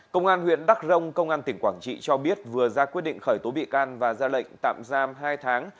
công an huyện đắc rông công an tỉnh quảng trị cho biết vừa ra quyết định khởi tố bị can và ra lệnh tạm giam hai tháng